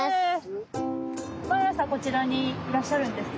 まいあさこちらにいらっしゃるんですか？